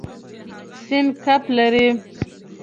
سیند کب لري.